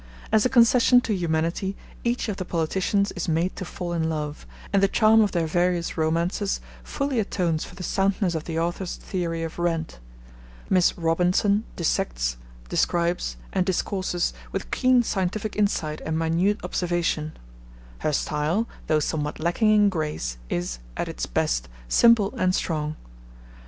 As a concession to humanity, each of the politicians is made to fall in love, and the charm of their various romances fully atones for the soundness of the author's theory of rent. Miss Robinson dissects, describes, and discourses with keen scientific insight and minute observation. Her style, though somewhat lacking in grace, is, at its best, simple and strong.